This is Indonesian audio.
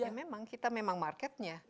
ya memang kita memang marketnya